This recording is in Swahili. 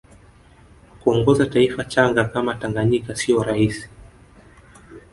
kuongoza taifa changa kama tanganyika siyo rahisi